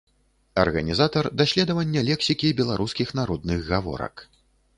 Арганізатар даследавання лексікі беларускіх народных гаворак.